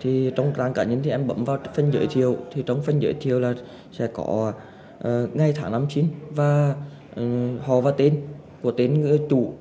thì trong trang cá nhân thì em bấm vào phần giới thiệu thì trong phần giới thiệu là sẽ có ngày tháng năm chín và họ vào tên của tên người chủ